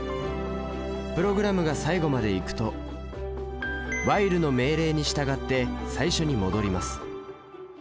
プログラムが最後まで行くと「ｗｈｉｌｅ」の命令に従って最初に戻ります。